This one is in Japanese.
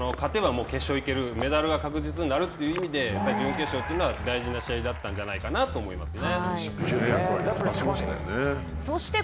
準決勝は特に勝てば決勝へ行けるメダルが確実になるという意味で準決勝というのは大事な試合だったんじゃないかなと思いますね。